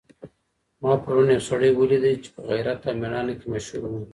ما پرون یو سړی ولیدی چي په غیرت او مېړانه کي مشهور و.